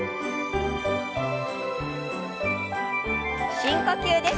深呼吸です。